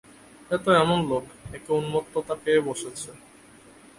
এতো এমন লোক, একে উন্মত্ততা পেয়ে বসেছে।